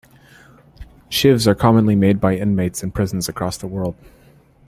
Shivs are commonly made by inmates in prisons across the world.